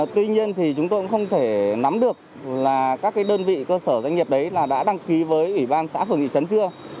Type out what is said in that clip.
tuy nhiên thì chúng tôi cũng không thể nắm được là các đơn vị cơ sở doanh nghiệp đấy là đã đăng ký với ủy ban xã phường thị trấn chưa